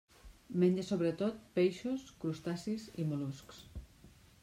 Menja sobretot peixos, crustacis i mol·luscs.